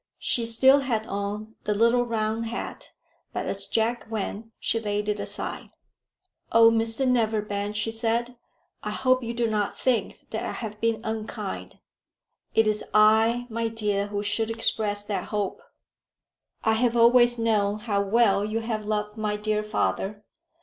She still had on the little round hat, but as Jack went she laid it aside. "Oh, Mr Neverbend," she said, "I hope you do not think that I have been unkind." "It is I, my dear, who should express that hope." "I have always known how well you have loved my dear father.